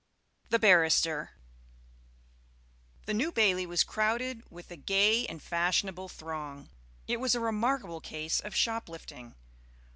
THE BARRISTER The New Bailey was crowded with a gay and fashionable throng. It was a remarkable case of shop lifting.